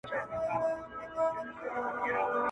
میکده په نامه نسته، هم حرم هم محرم دی.